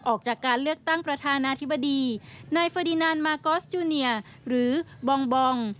ออกจากการเลือกตั้งประธานาธิบดีนายเฟอร์ดินันมากอสจูเนียหรือบองบอง